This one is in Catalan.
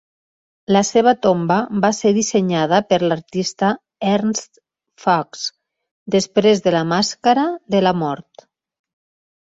La seva tomba va ser dissenyada per l'artista Ernst Fuchs després de la màscara de la mort.